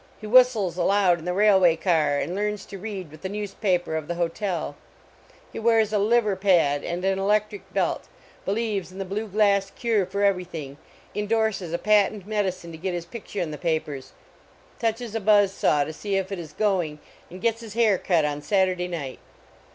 He whistles aloud in the rail way car and learns to read with the newspa per of the hotel ; he wears a liver pad and an electric belt ; believes in the blue glass cure for everything; indorses a patent medi cine to get his picture in the papers ; touches 1 80 THE OLD ROAD SHOW a buzz saw to SCC if it is going, and gets his hair cut Saturday night.